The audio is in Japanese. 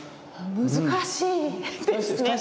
難しいですね。